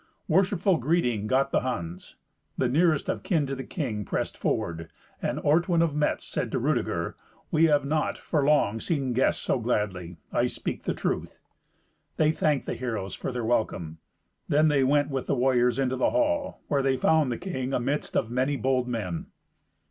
Worshipful greeting got the Huns. The nearest of kin to the king pressed forward, and Ortwin of Metz said to Rudeger, "We have not, for long, seen guests so gladly. I speak the truth." They thanked the heroes for their welcome. Then they went with the warriors into the hall, where they found the king amidst of many bold men.